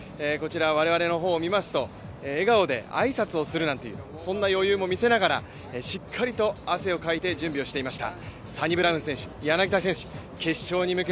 我々の方をみますと、笑顔で挨拶をするという余裕も見せながらしっかりと汗をかいて準備をしていました。